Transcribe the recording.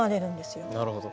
なるほど。